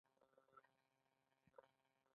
بخارۍ چالانده کړه.